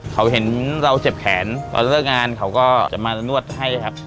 เขาเห็นเราเจ็บแขนตอนเลิกงานเขาก็จะมานวดให้ครับ